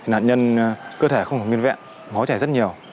nạn nhân cơ thể không có nguyên vẹn mối trẻ rất nhiều